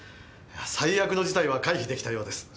最悪の事態は回避できたようです。